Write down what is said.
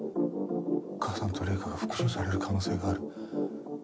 母さんと零花が復讐される可能性がある。